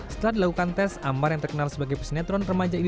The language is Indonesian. setelah dilakukan tes amar yang terkenal sebagai pesenetron remaja ini